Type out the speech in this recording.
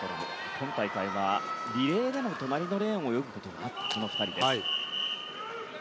今大会はリレーでも隣のレーンを泳ぐことになるこの２人です。